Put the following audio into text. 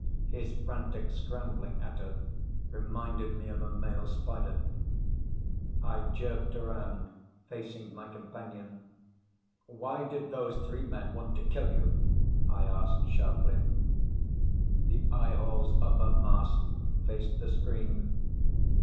His frantic scrambling at her reminded me of a male spider. I jerked around, facing my companion. "Why did those three men want to kill you?" I asked sharply. The eyeholes of her mask faced the screen.